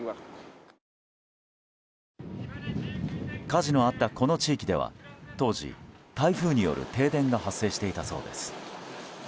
火事のあったこの地域では当時、台風による停電が発生していたそうです。